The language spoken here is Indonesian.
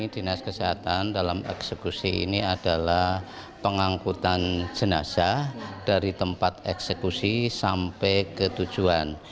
dinas kesehatan dalam eksekusi ini adalah pengangkutan jenazah dari tempat eksekusi sampai ke tujuan